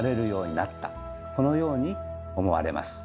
このように思われます。